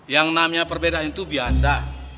yang namanya perbedaan itu biasa